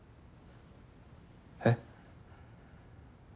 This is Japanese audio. えっ？